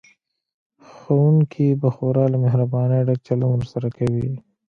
ښوونکي به خورا له مهربانۍ ډک چلند ورسره کوي